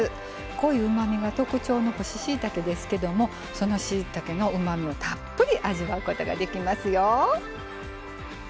濃いうまみが特徴の干ししいたけですけどもそのしいたけのうまみをたっぷり味わうことができますよ。